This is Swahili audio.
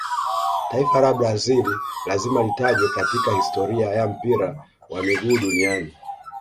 taifa la brazili lazima litajwe katika historia ya mpira wa miguu duniani